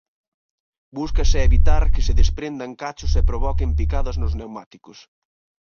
Búscase evitar que se desprendan cachos e provoquen picadas nos pneumáticos.